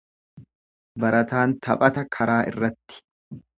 Barataan taphata karaa irratti.